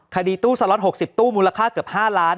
คดีตู้สล็อต๖๐ตู้มูลค่าเกือบ๕ล้าน